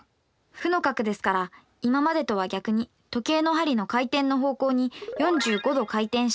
負の角ですから今までとは逆に時計の針の回転の方向に４５°回転したところに動径ＯＰを書きます。